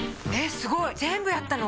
すごい全部やったの？